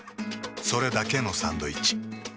それだけのサンドイッチ。